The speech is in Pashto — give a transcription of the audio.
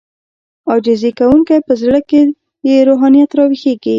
عاجزي کوونکی په زړه کې يې روحانيت راويښېږي.